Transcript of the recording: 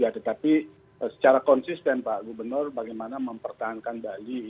tetapi secara konsisten pak gubernur bagaimana mempertahankan bali